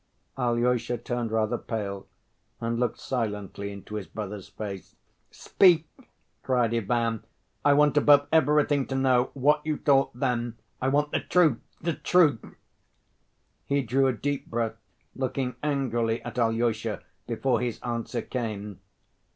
Alyosha turned rather pale, and looked silently into his brother's face. "Speak!" cried Ivan, "I want above everything to know what you thought then. I want the truth, the truth!" He drew a deep breath, looking angrily at Alyosha before his answer came.